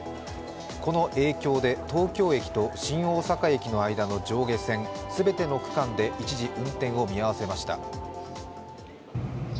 この影響で東京駅と新大阪駅の間の上下線全ての区間で一時、運転を見合わせました。